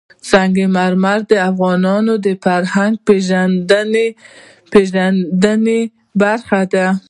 سنگ مرمر د افغانانو د فرهنګي پیژندنې برخه ده.